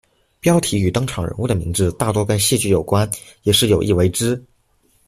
标题与登场人物的名字大多跟戏剧有关也是有意为之。